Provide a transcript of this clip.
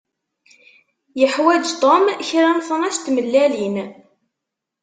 Yuḥwaǧ Tom kra n tnac n tmellalin.